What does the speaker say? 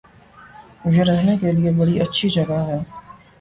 یہ رہنے کےلئے بڑی اچھی جگہ ہے